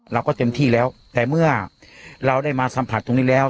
เราก็เต็มที่แล้วแต่เมื่อเราได้มาสัมผัสตรงนี้แล้ว